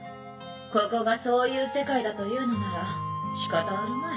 ここがそういう世界だというのなら仕方あるまい。